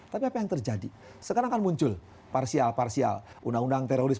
tapi apa yang terjadi sekarang akan muncul parsial parsial undang undang teroris